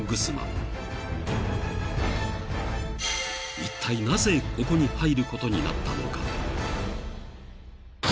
［いったいなぜここに入ることになったのか］